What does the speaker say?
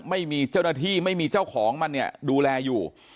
ไม่มีเจ้าหน้าที่ไม่มีเจ้าของมันเนี่ยดูแลอยู่